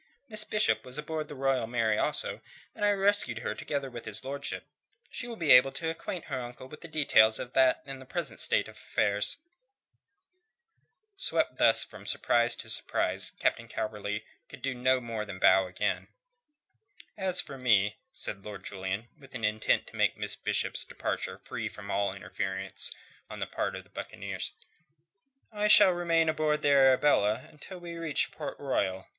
Miss Bishop was aboard the Royal Mary also, and I rescued her together with his lordship. She will be able to acquaint her uncle with the details of that and of the present state of affairs." Swept thus from surprise to surprise, Captain Calverley could do no more than bow again. "As for me," said Lord Julian, with intent to make Miss Bishop's departure free from all interference on the part of the buccaneers, "I shall remain aboard the Arabella until we reach Port Royal.